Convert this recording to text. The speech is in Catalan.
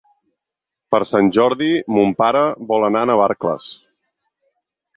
Per Sant Jordi mon pare vol anar a Navarcles.